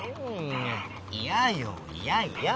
いやよいやいや！